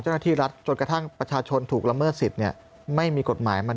เจ้านาธิรัฐจนกระทั่งประชาชนถูกระเมิดสิทธิ์ไม่มีกฎหมายมา